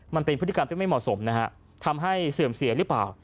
มันเป็นพฤติกรรมที่ไม่เหมาะสมนะฮะทำให้เสื่อมเสียหรือเปล่า